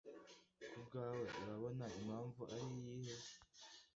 ku bwawe urabona impamvu ari iyihe